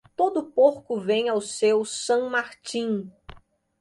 Todo porco vem ao seu San Martín.